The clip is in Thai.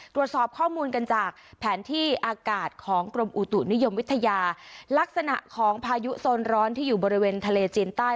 ตรวจสอบข้อมูลกันจากแผนที่อากาศของกรมอุตุนิยมวิทยาลักษณะของพายุโซนร้อนที่อยู่บริเวณทะเลจีนใต้